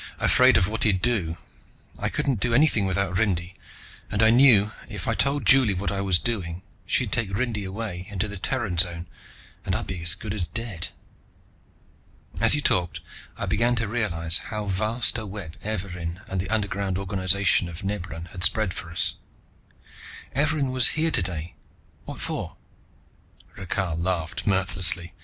"Afraid of what he'd do. I couldn't do anything without Rindy and I knew if I told Juli what I was doing, she'd take Rindy away into the Terran Zone, and I'd be as good as dead." As he talked, I began to realize how vast a web Evarin and the underground organization of Nebran had spread for us. "Evarin was here today. What for?" Rakhal laughed mirthlessly.